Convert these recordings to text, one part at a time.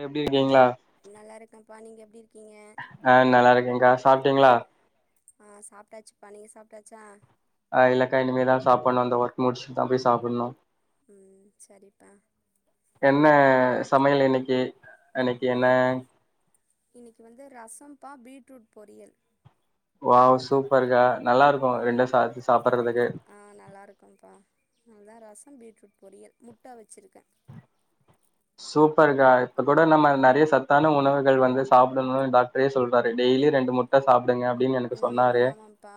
எப்டி இருக்கீங்களா நல்லா இருக்கேம்ப்பா நீங்க ஆ நல்லா இருக்கேங்க்கா சாப்ட்டீங்ளா ஆ சாப்ட்டாச்சுப்பா நீங்க சாப்பிட்டாச்சா ஆ இல்லக்கா இனிமேதா சாப்புட்ணு இந்த ஒ்ர்க் முடிச்சுட்டுதா போய் சாப்புட்ணு ம் சரிப்பா என்ன சமையல் இன்னைக்கி, இன்னைக்கி என்ன இன்னைக்கு வந்து ரசம்பா பீட்ரூட் பொரியல் வாவ் சூப்பர் க்கா நல்லா இருக்கு ம் ரெண்டு சாத்து சாப்புட்றதுக்கு ஆ நல்லா இருக்கும்ப்பா அதான் ரசம் பீட்ரூட் பொரியல், முட்ட அவுச்சிருக்கே சூப்பர்க்கா இப்ப கூட நம்ம நறைய சத்தான உணவுகள் வந்து சாப்டணுனு டாக்டரே சொல்றா ம் சொன்னாரு ஆமாப்பா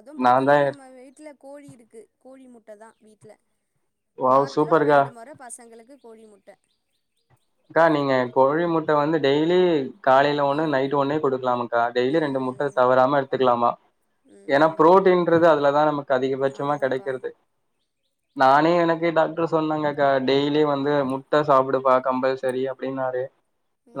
அதும் நா தா பாத்தன்னா நம்ம வீட்ல கோழி இருக்கு கோழி முட் டதா வீட்ல வாவ் வாரத்துல ஒரு சூப்பர்க்கா ரெண்டு மெற பசங்களுக்கு கோழி முட்ட அக்கா நீங்க கோழி முட்ட வந்து டெய்லி காலைல ஒண்ணு டெய் நைட் ஒண்ணே குடுக்கலாமாக்கா டெய்லி ம் ரெண்டு முட்ட ம் தவறாம எடுத்துக்லாமா ம் ஏன்னா ம் புரோட்டீன்ன்றது அதுலதா நமக்கு அதிகபட்சமா ஆமாம்ப்பா கெடைக்கிறது நானே எனக்கு டாக்டர் சொன்னாங்கக்கா டெய்லி வந்து முட்ட சாப்புடுப்பா கம்பல் சரி அப்டின்னாரு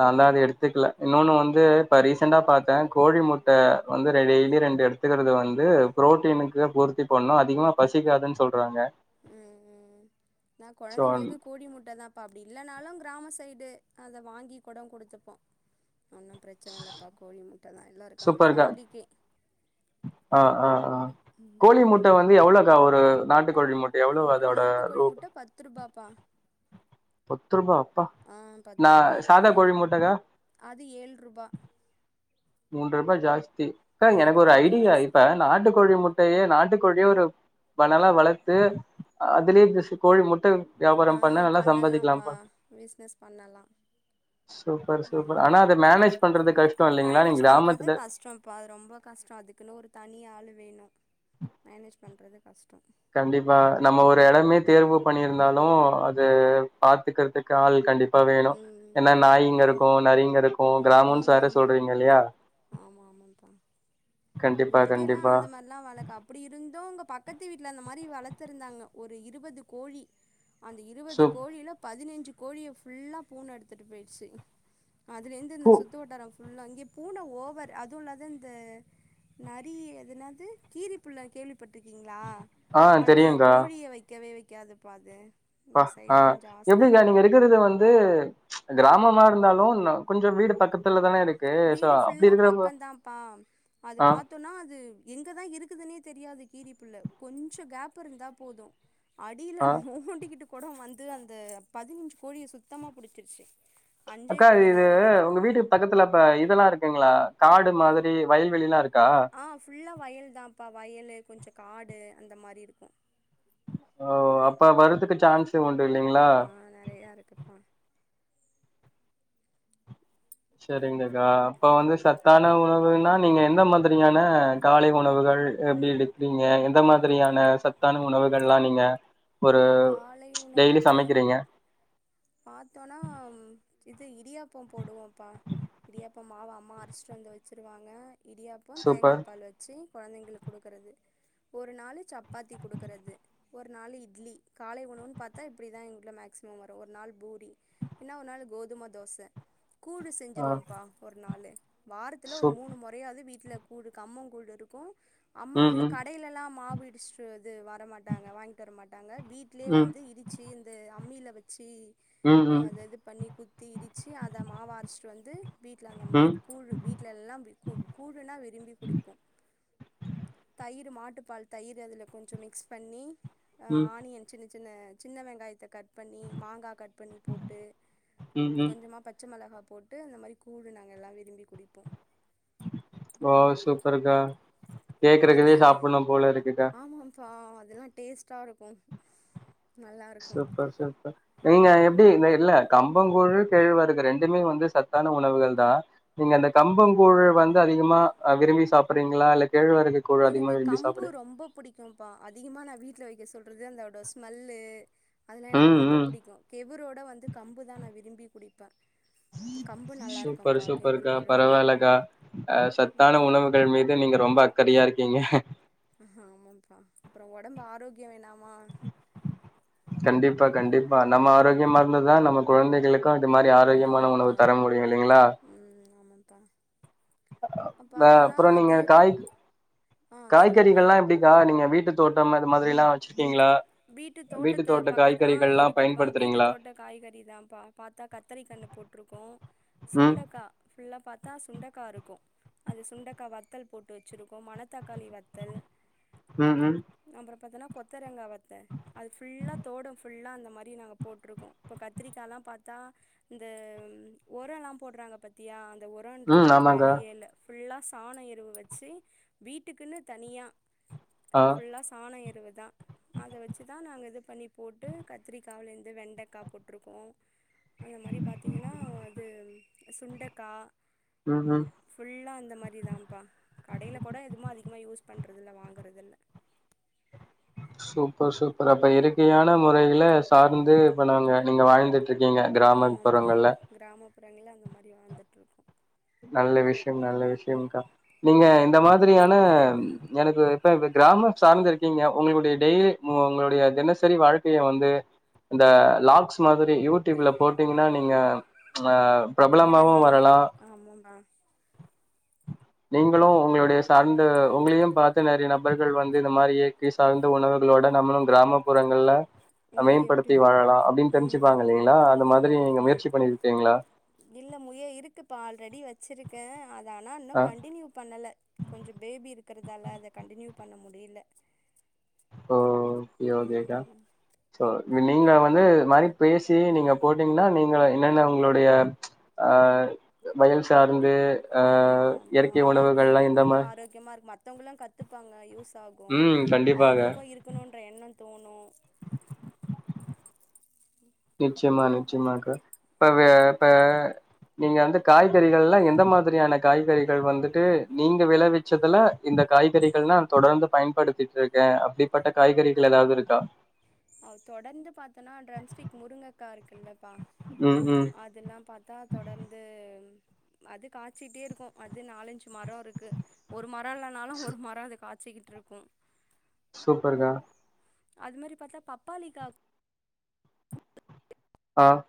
நாலா அது எடுத்துக்ல இன்னொன்னு வந் து இப்போ ரீசண்டா பாத்த கோழி மூட்ட வந்து ந டெய்லி ரெண்டு எடுத்துக்குறது வந்து பு்ரோட்டீனுக்கு பூர்த்தி பண்ணு அதிகமா பசிக்காதுன் சொல்றாங்க ம் ம் ம் நா சோ கொழந்தைங்களுக்கு கோழி முட்டதாம்ப்பா அப்பயடி இல்லன்னாலு கிராமொ சை டு அத வாங்கி கூடொ குடுத்துப்போ ஒன்னும் ப்ரச்சன இல்லப்பா கோழி முட்டைதா எல்லாரு க்க ஃபேம்லிக்கி அ அ அ கோழி முட்ட வந்து எவ்ளோக் கா ஒரு நாட்டுக்கோழி முட் ஒரு நாட்டு கோழி முட்ட பத்ருபாப்பா பத்ருபா அப்பா ஆ பத்து நா ரூபா சாதா கோழி முட்டக்கா அது ஏழு ரூபா மூன்றுபா ஜாஸ் த்தி கா மூணு எனக்கு ஒரு ரூபா ஐடியா இப்ப ஜாஸ்தி நாட்டு கோழி முட் ட்டையே நாட்டு கோழியே ஒரு பணலா வளத்து அதுலே [unintelligible] கோழி முட்டை ஆ வ்யாபாரம் பண்ணா நல்லா பண்ணலாம்ப்பா சம்பாதிக்கலாம்ப்பா பிஸ்னஸ் பண்ணலா சூப்பர் சூப்பர் ம் ஆனா அத மேனேஜ் பண்றது கஷ்டொ இல்லைங்களா நீ மேனேஜ் பண்றது கஷ்டொம் இப்ப அது ரொம்ப கஷ்டொ அதுக்குன்னு ஒரு தனி ஆளு வே ணு மேனேஜ் பண்றது கஷ்டொ கண்டிப்பா நம்ம ஒரு எடமே தேர்வு பண்ணியிருந்தாலோ அது பாத்துக்குறதுக்கு ஆள் கண்டிப் ப்பா வேணோ ம் என்னா நாய்ங்க ஆமாம்ப்பா இருக்கோ நரிங்க இருக்கோ கிராமம்ஸ் ம் வேற ம் சொல்றீங்க இல்லயா ஆமா ஆமாப்பா இங்கெல்லா அந்த மார்ல்லா வளக்க அப்டி இர்ந்தோ உங்க பக் கத்து வீட்ல அந்த மாரி வளத்து இருந்தாங்க ஒரு இருபது கோழி அந்த சோ இருவது கோழில பதினஞ் சு கோழிய ஃபுல்லா பூன எடுத்துட்டு போய்டுச்சு அதுல இருந்து பூ இந்த சுத்து வட்டாரோ உள்ளங்யே பூன ஓவர் அதுவோ இல்லாத இந்த நரி அது என்னாது கீரி புள்ள கேள்விப் பட்ருக்கீங்களா ஆ அது தெரியுங்கா கோழிய வெக்கவே வெக் நிக்காதுப்பா அது பா இந்த சைட்லா ஆஹ் ஜாஸ்தி எப்டிக்கா நீங்க இருக்கறத வந்து கிராமமா இருந்தாலோ கொஞ்சோ வீடு பக்கத்துல தா இருக் வீடு ஃபுல்லா பக்கந்தாப்பா அது ஆ பாத்தோனா அது எங்கதா இருக்குதுனே தெரியாது கீரிப்புள்ள கொஞ்சோ கேப்பு இருந்தா போதோ அடில ஆ நோண்டிக்கிட்டு கொடோ வந்து அந்த பதினஞ்சு கோழி சுத்தமா புடிச்சிருச்சு அஞ்சே அக்கா கோழி தா இது இருந்தது உங்க வீட்டு பக்கத்துல அப்ப இ தெல்லா இருக்குங்களா காடு மாதிரி வயல்வெளிலா இரு ஆ ஃபுல்லா வயல் தா பா வயலு கொஞ்சோ காடு அந்த மாரி இருக்கோ ஓ அப்ப வருதுக்கு சான்ஸ் உண் இல்லங்களா ஆ நெறையா இருக்குப்பா செரிங்க கா இப்ப வந்து சத்தான உணவுனா நீங்க எந்த மாதிரியான காலை உணவுகள் எப்டி எடுக்கிறீங்க எந்த மாதிரியான சத்தான உணவுகல்லா நீங்க ஒரு காலை டெய்லி உணவுப்பா சமைக்கிறீங்க பாத்தோனா இது இடியாப்போ போடுவோப்பா இடியாப்ப மாவ அம்மா அரச்சிட்டு வந்து வெச்சிருவாங்க இடியாப்பம் தேங்கா சூப்பர் பால் வெச்சு கொழந்தைங்களுக் குடுக்கிறது ஒரு ஒரு நாலு சப்பாத்தி குடுக்கறது ஒரு நாளு இட்லி காலை உணவுனு பாத்தா இப்டிதா எங்கல மேக்சிமம் வரோ ஒரு நாள் பூரி இன்னோ ஒரு நாள் கோதும தோச கூழு ஆ செஞ்சுடுவோப்பா ஒரு நாளு வாரத்துல ஒரு சூப் மூணு மொறயாவது வீட்ல கூழு கம்பங்கூழு இருக்கு அம்மா ம் வந்து ம் கடைல எல்லா மா வு இடிச்சுட்டு வரா து வர மாட்டாங்க வாங்கிட்டு வர மாட்டாங்க வீட்லயே ம் வந்து இடிச்சு இந்த அம்மில வெச்சி ம் ம் அத இது பண்ணி குத்தி இடிச்சு அத மாவு அரச்சுட்டு வந்து வீட்ல அந்த மாரி ம் கூழு வீட்ல எல்லா கூ கூழுனா விரும்பி குடிப்போ தயிர் மாட் டு பால் தயிர் அதுல கொஞ்சோ மிக்ஸ் பண்ணி ம் ஆனியன் சின்ன சின்ன சின்ன வெங்காயத்தை கட் பண்ணி மாங்கா கட் பண்ணி போட்டு ம் ம் கொஞ்சமா பச்ச மெளகா போட்டு அந்த மாரி கூழ் நாங்க எல்லா விரும்பி குடிப்போ ஓ சூப்பருக்கா கேக்குறதுக்கே சாப்புட்ணு போல இருக்குக்கா ஆ, அதெல்லா டேஸ்ட்டா இருக்கு நல்லாருக்கு சூப்பர் சூப்பர் நீங்க எப்படி இந்த இல்ல கம்பங் கூழு கேழ்வரகு ரெண்டுமே வந்து சத்தான உணவுகள் தா நீங்க அந்த கம்பம்கூழு வந்து அதிகமா விரும்பி சாப்பறீங்களா இல்ல கேழ்வரகு கூழ் அதிகமா எனக்கு விரும்பி கம்பு சாப்புட்றீங் ரொம்ப புடிக்கு பா அதிகமா நா வீ ட்ல வெக்க சொல்றது அந்த அதோட ஸ்மெல்லு அதுனா எனக்கு ம் ரொம்ப ம் புடிக்கு கே இவுரோட வந்து கம்பு தா நா விரும்பி குடிப்ப சூப்பரு கெவுரு சூப்பருக்கா கூழோட பரவாலக்கா அ சத்தான நல்லா உணவுகள் மீது நீங்க ரொம்ப அக் கரியா இருக்கீங்க ஆமம்பா அப்பறோ ஒடம்பு ஆரோக்கியோ வேணாமா கண்டிப்பா கண்டிப்பா நம்ம ஆரோக்கியமா இருந்ததா நம்ம கொழந்தைகளுக்கு தா இந்த மாரி ஆரோக்கியமான ஆமாப்பா உணவு தர முடியு இல்லிங்களா அப்பா தா அப்பறோ நீங்க டைம் காய் ஆ சொல்லுப்பா காய்கறிகள்லா எப்டிக்கா நீங்க வீட்டு தோட்டம் அது மாதிரில்லா வச்சு வீட்டு தோட்டத்த பக்கத்து ஆ காய்கறிகள்லா இருக்குப்பா வீட்டு பயன்படுத்துறீங்களா தோட்ட காய்கறிதாப்பா பாத்தா கத்தரிகன்னு போட்ருக்கோ ம் சுண்டைக்கா ஃபுல்லா பாத்தா சுண்டக்கா இருக்கு அது சுண்டக்கா வத்தல் போட்டு வச்சிருக்கோ மணத்தக்காளி வத்தல் ம் ம் கொத்தரங்கா வத் அது ஃபுல்லா தோட ஃபுல்லா அந்த மாதிரி நாங்க போட்ருக்கோ இப்ப கத்திரிக்கால்லா பாத்தா இந்த உரலா போடுறாங்க பத்தியா ம் உரம்ன்றதுக்கு ஆமாங்க வேலையே இல்ல ஃபுல்லா சாணம் எருவு வச்சு வீட்டுக்குன்னு தனியா ஆ ஃபுல்லா சாணம் எரு அறுபதா அதை வச்சு தான் நாங்க இது பண்ணி போட்டு கத்திரிக்காவுலேருந்து வெண்டைக்காய் போட்டிருக்கோம் அந்த மாதிரி பாத்திங்கன்னா அது சுண்டைக்கா ம் ம் ஃபுல்லா இந்த மாதிரி தான்ப்பா கடைல கூட எதும அதிகமா யூஸ் பண்ண மற்றதெல்லாம் வாங்குறதில்லை சூப்பர் சூப்பர் அப்போ இயற்கையான முறையிலா சார்ந்து இப்போ நாங்க நீங்க வாழ்ந்துட்டு இருக்கீங்க கிராமப்புறங்கள்ல றங்கள அந்த மாதிரி வாழ்ந்துட்ருக்கோம் நல்ல விஷயம் நல்ல விஷயம்கா நீங்க இந்த மாதிரியான எனக்கு இப்ப இப்ப கிராமம் சார்ந்த இருக்கீங்க உங்களுடைய டெய்லி உங்களுடைய தினசரி வாழ்க்கைய வந்து இந்த ளாக்ஸ் மாதிரி யூடியூப்ல போட்டீங்கன்னா நீங்க ஆஹ் பிரபலமாவு போடலா வரலா ஆமாப்பா நீங்களு உங்களுடைய சார்ந்து உங்களையும் பார்த்து நிறைய நபர்கள் வந்து இந்த மாரி இயற்கை சார்ந்த உணவுகளோட நம்மளும் கிராமப்புறங்கள்ல இங்க எப்டி மேம்படுத்தி வாழலா அப்டின்னு ம் ம் தெரிஞ்சுப்பாங்க இல்லைங்களா அந்த மாதிரி நீங்க ஆமாப்பா முயற்சி பண்ணிருக்கீங்களா இல்ல முய இருக்குப்பா ஆல்ரெடி வச்சிருக்கே ஆனா இன்னு கண்டினியூ பண்ணல கொஞ்ச பேபி இருக்கு இருக்கறதால அத கண்டினியூ பண்ண முடியல ஓஹ் செரி ஓகேக்கா ம் சோ நீங்க வந்து மாரி பேசி நீங்க போட்டீங்கன்னா நீங்க என்னென்ன உங்களுடைய ஆஹ் வயல் சார்ந்து ஹ் ஆமா ஆஹ் ஆமாப்பா இயற்கை உணவுகள்ல்லா இந்த மாரி மத்தவங்கல்லா கத்துப்பாங்க யூஸ் ஆகும் கண்டிப்பாக அவங்களுக்கு இருக்கணுன்ற எண்ணோ தோணு நிச்சயமா நிச்சயமாக்க இப்ப வேப்ப நீங்க வந்து காய்கறிகள்ல்லா எந்த மாதிரியான காய்கறிகள் வந்துட்டு நீங்க விளைவிச்சதுல இந்த காய்கறிகள் நா தொடர்ந்து பயன்படுத்திட்டு இருக்கே அப்டிப்பட்ட காய்கறிகள் எதாவது இருக்கா அ தொடர்ந்து பாத்தனா ட்ரம்ஸ்டிக் முருங்கக்கா இருக்கு இல்லப்பா ம் ம் அதெல்லா பாத்தா தொடர்ந்து அது காய்ச்சிட்டே இருக்கும் அது நாலஞ்சு மரோ இருக்கு ஒரு மரோ இல்லனாலு சூ ஒரு மரம் அது கா வச்சுக்கிட்டுருக்கோ சூப்பர் கா அது மாதிரி பாத்தா பப்பாளிக்கா ஆஹ்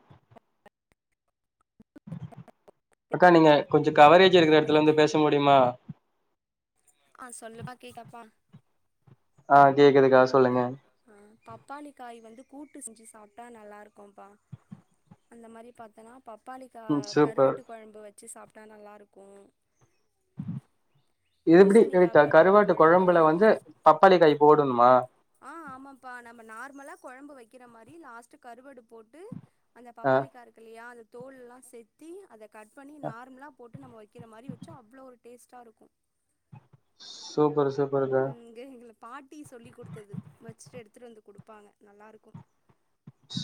அக்கா நீங்க கொஞ்ச கவரேஜ் இருக்குற எடத்துல அதுக்கு வந்து பேச முடியுமா ஆஹ் சொல்லுப்பா கேக்கப்பா ஆஹ் கேக்குதுக்கா சொல்லுங்க ஆஹ் பப்பாளிக்காய் வந்து கூட்டு செஞ்சு சாப்ட்டா நல்லாருக்கும்ப்பா அந்த மாரி பாத்தனா பப்பாளிக்கா ம் சூப்பர் கருவட்டு குழம்பு வச்ச வச்சு சாப்ட்டா நல்லாருக்கு இதுப்படி எது பூசணிக்கா கருவட்டு கருவாட்டு கொழம்பு கொழம்புல வந்து பப்பாளிக்காய் போடணுமா ஆஹ் ஆமாப்பா நம்ம நார்மலா குழம்பு வைக்குற மாரி லாஸ்ட்டு கருவடு போட்டு அந்த ஆ பப்பாளிக்கா இருக்கு இல்லையா அது தோல்லா செத்தி அத கட் பண்ணி நார்மலா போட்டு நம்ம வைக்கிற மாரி வச்சா அவ்ளோ ஒரு டேஸ்ட்டா இருக்கும் சூப்பர் சூப் [unintelligible] பாட்டி சொல்லி கொடுத்தது வச்சுட்டு எடுத்துட்டு வந்து கொடுப்பாங்க நல்லாருக்கும்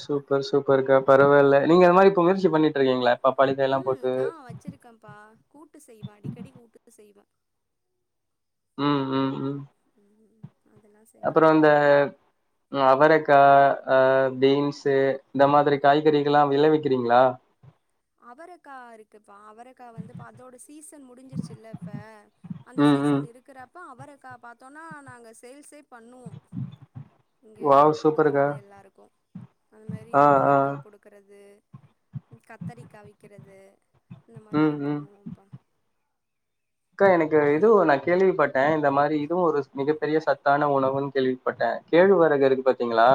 சூப்பர் சூப்பர் அக்கா பரவாயில்ல நீங்க அந்த மாதிரி இப்ப முயற்சி பண்ணிட்டு இருக்கீங்களா பப்பாளி காய்லா உம் போட்டு நான் வச்சிருக்கேன்ப்பா கூட்டு செய்வேன் அடிக்கடி கூட்டு செய்வேன் உம் உம் உம் ம் அதெல்லா அப்புறம் இந்த செஞ்சிருக்கேன்ப்பா அவரக்கா அஹ் பீன்ஸ்சு இந்த மாதிரி காய்கறிகலாம் விளைவிக்கிறீங்களா அவரக்கா இருக்கு பா அவரக்க வந்து அதோட சீசன் முடிஞ்சிருச்சுல்ல இப்ப அந்த ம் ம் சீசன் இருக்கிற அவரக்கா பாத்தோம்னா நாங்க சேல்ஸே பண்ணுவோம் இங்கே வாவ் சூப்பர்க்கா கொடுக்குறது எல்லாருக்கும் அதுமாரி ஆ ஆ முருங்கைக்காய் கொடுக்குறது கத்தரி இருக்கிறது இந்த ம் மாரில்லாம் ம் பண்ணுவோம்பா அக்கா எனக்கு இதுவும் நான் கேள்விப்பட்டேன் இந்த மாதிரி இதுவும் ஒரு மிகப்பெரிய சத்தான உணவுன்னு கேள்விப்பட்டேன் கேழ்வரகு இருக்கு பாத்தீங்களா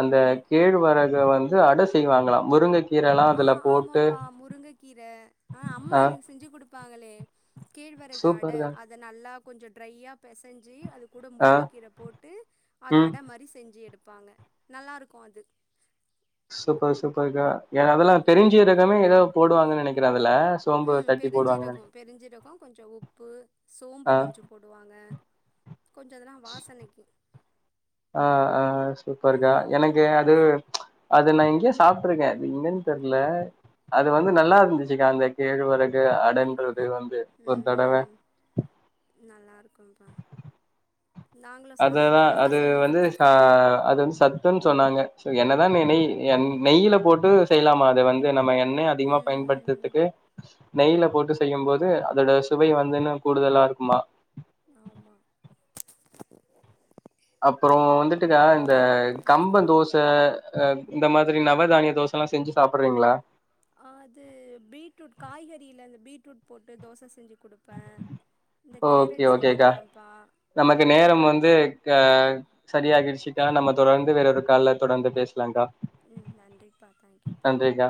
அந்த கேழவரக வந்து அட செய்வாங்களாம் முருங்க ஆஹ் ஆமாப்பா முருங்கை கீரை ஆஹ் அம்மா ஆ எனக்கு செஞ்சு கொடு பாங்களே கேழ்வரகு அட சூப்பர்க்கா அத நல்லா கொஞ்சொ ட்ரய்யா பெசஞ்சு அதுக் கூட ஆ முருங்கக்கீர போட்டு அத ம் அடமாரி செஞ்சு எடுப் வெப்பாங்க நல்லா இருக்கு அது சூப்பர் சூப்பர் கா ஏ அதெல்லா தெரிஞ்சுதுக்காமே ஏதா போடுவாங்க நெனை இங்க தா அவ ல சோம்பு தட்டி போடுவாங்கனு நெனை கொஞ்சொ உப்பு சோம்பு கொஞ்சொ போடுவாங்க கொஞ்சொ இதெல்லா வாசனைக்கு அஹ் ஆஹ் ஆ சூப்பருக்கா இதெல்லா எனக்கு போட்டு அது செ- அது நா எங்கயோ சாப் ருக்கே அது எங்கன்னு தெர்ல அது வந்து நல்லா ம் இருந்துச்சுக்கா அந்த கேழ்வ ரகு அடன்று து வந்து ம் ஒரு தடவ இருக்கும் தா அததா அது வந்து சா அது வந்து சத்துன்னு சொன்னாங்க சோ என்னதா நெ நய் என் நெய்ல போட்டு செய்யலாமா அது வந்து நம்ம எண் ண அதிகமா ம் பயன்படுத்ததுக்கு நெய்ல போட்டு செய்யும் போது அதோட சுவை வந்து இன்னு கூடுதலா இருக்குமா ம் ஆமா அப்புறோ வந்துட்டுக்கா இந்த கம்ப தோச அஹ் இந்த மாதிரி நவவதானிய தோசலா செஞ்சு சாப்புட்றீங்களா ஆது பீட்ரூட் காய்கறில அந்த பீட்ரூட் போட்டு தோச செஞ்சு குடுப்பே இந்த ஓகே கேரட் ஓகேக்கா செஞ்சிருக்கேன்ப்பா நமக்கு நேரம் வந்து க சரியாகிடுச்சுக்கா நம்ம தொடர்ந்து வேறொரு கால்ல தொடர்ந்து பேச் ம் நன்றிப்பா தேங்க்யூப்பா நன்றிக்கா